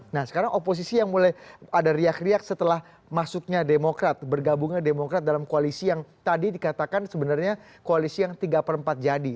nah sekarang oposisi yang mulai ada riak riak setelah masuknya demokrat bergabungnya demokrat dalam koalisi yang tadi dikatakan sebenarnya koalisi yang tiga per empat jadi